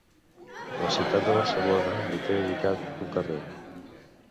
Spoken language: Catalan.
La ciutat de Barcelona li té dedicat un carrer.